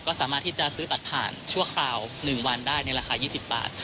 ก็สามารถที่จะซื้อตัดผ่านชั่วคราว๑วันได้ในราคา๒๐บาท